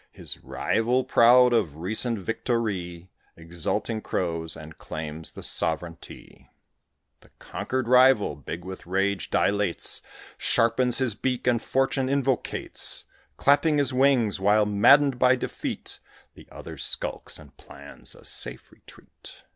His rival, proud of recent victory, Exulting crows, and claims the sovereignty. The conquered rival, big with rage, dilates, Sharpens his beak, and Fortune invocates, Clapping his wings, while, maddened by defeat, The other skulks and plans a safe retreat.